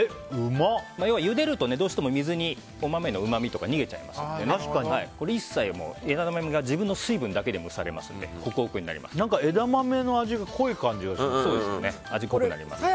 ゆでると、どうしても水にお豆のうまみとか逃げてしまいますので一切、枝豆の自分の水分だけで蒸されますので枝豆の味が濃い感じがしますね。